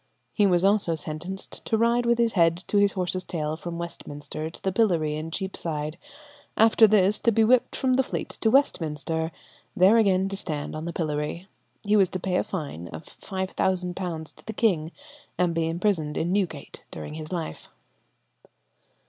He was also sentenced to ride with his head to his horse's tail from Westminster to the pillory in Cheapside; after this to be whipped from the Fleet to Westminster, there again to stand on the pillory. He was to pay a fine of £5,000 to the king, and be imprisoned in Newgate during his life.